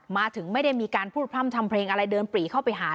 ไม่ได้มีการพูดพร่ำทำเพลงอะไรเดินปรีเข้าไปหา